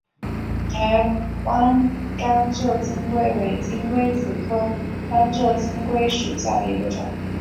台湾甘蔗金龟为金龟子科甘蔗金龟属下的一个种。